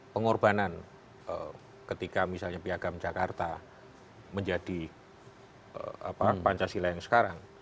pengorbanan ketika misalnya piagam jakarta menjadi pancasila yang sekarang